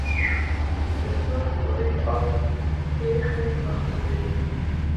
د تور سوري افق پیښې محدوده وي.